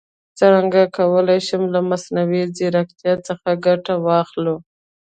څرنګه کولای شو له مصنوعي ځیرکتیا څخه ګټه واخلو؟